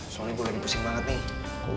soly boleh dipusing banget nih